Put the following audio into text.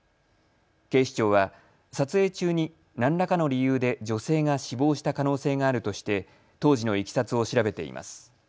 警視庁は撮影中に何らかの理由で女性が死亡した可能性があるとして当時のいきさつを調べています。